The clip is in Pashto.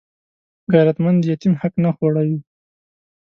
غیرتمند د یتیم حق نه خوړوي